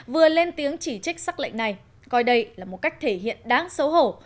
vừa lên tiếng chỉ trích sắc lệnh này coi đây là một cách thể hiện đáng xấu hổ